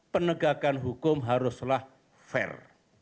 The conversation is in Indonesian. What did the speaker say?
penegakan hukum haruslah fair